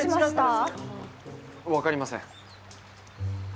分かりません。